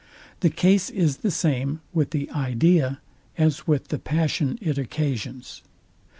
The case is the same with the idea, as with the passion it occasions.